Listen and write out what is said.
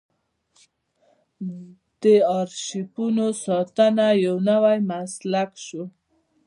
د ارشیفونو ساتنه یو نوی مسلک شو.